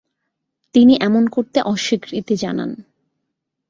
তিনি এমন করতে অস্বীকৃতি জানান।